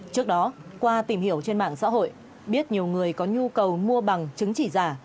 trước đó qua tìm hiểu trên mạng xã hội biết nhiều người có nhu cầu mua bằng chứng chỉ giả